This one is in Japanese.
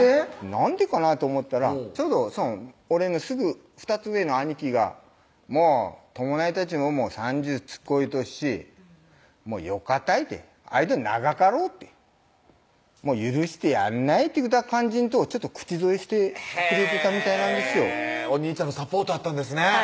なんでかなと思ったらちょうど俺のすぐ２つ上の兄貴が「もう丈稔たちも３０つっ超えとっしもうよかたい」って「あいつら長かろう」って「もう許してやんない」って感じのことちょっと口添えしてくれてたみたいなんですよお兄ちゃんのサポートあったんですね